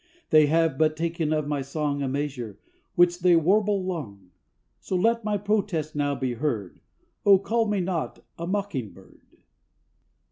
They have but taken of my song A measure, which they warble long. So let my protest now be heard— O call me not a Mocking bird!